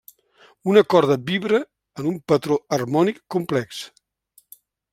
Una corda vibra en un patró harmònic complex.